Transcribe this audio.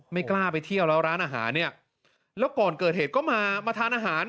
ไม่กล้าไปเที่ยวแล้วร้านอาหารเนี่ยแล้วก่อนเกิดเหตุก็มามาทานอาหาร